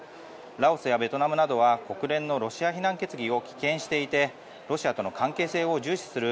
ラオスやベトナムなどは国連のロシア非難決議を棄権していてロシアとの関係性を重視する